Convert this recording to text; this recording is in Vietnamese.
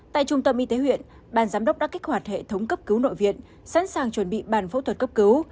tại trung tâm y tế huyện ban giám đốc đã kích hoạt hệ thống cấp cứu nội viện sẵn sàng chuẩn bị bàn phẫu thuật cấp cứu